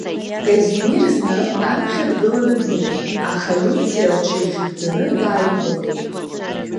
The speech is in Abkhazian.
Казимир зны аԥхьа дгыланы днеиуан, аха Лиуциа лҽихьыгӡаны дааивагылеит.